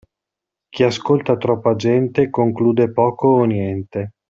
Chi ascolta troppa gente conclude poco o niente.